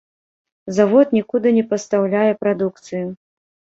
Завод нікуды не пастаўляе прадукцыю.